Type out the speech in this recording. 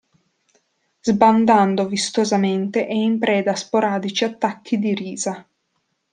Sbandando vistosamente e in preda a sporadici attacchi di risa.